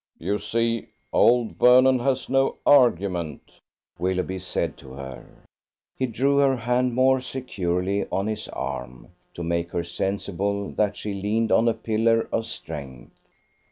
"You see, old Vernon has no argument," Willoughby said to her. He drew her hand more securely on his arm to make her sensible that she leaned on a pillar of strength.